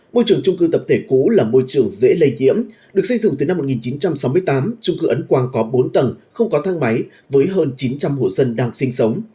ngôi trường trung cư tập thể cũ là môi trường dễ lây nhiễm được xây dựng từ năm một nghìn chín trăm sáu mươi tám trung cư ấn quang có bốn tầng không có thang máy với hơn chín trăm linh hộ dân đang sinh sống